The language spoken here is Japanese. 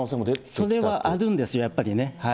それはあるんですよ、やっぱりね。